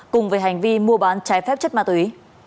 cùng về hành vi mua bán trái phép chất ma túy